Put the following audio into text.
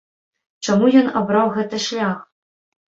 Чаму ён абраў гэты шлях?